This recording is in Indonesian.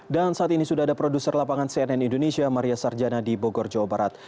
dan saat ini sudah ada produser lapangan cnn indonesia maria sarjana di bogor jawa barat